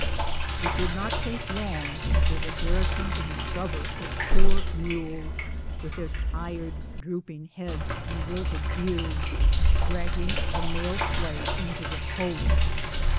It did not take long for the garrison to discover the poor mules, with their tired, drooping heads and wilted ears, dragging the mail sleigh into the post.